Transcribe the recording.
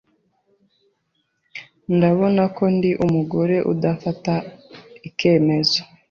ntabona ko ndi umugore udafata ikemezo